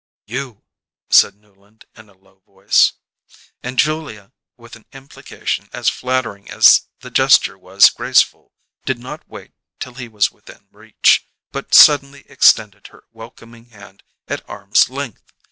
"You!" said Newland in a low voice. And Julia, with an implication as flattering as the gesture was graceful, did not wait till he was within reach, but suddenly extended her welcoming hand at arm's length.